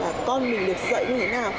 là con mình được dạy như thế nào